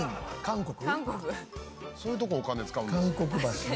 「そういうとこお金使うんです」